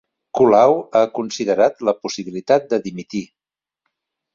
Colau ha considerat la possibilitat de dimitir